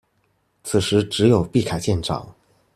此時只有畢凱艦長